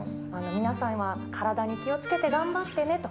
皆さん、今、体に気をつけて頑張ってねと。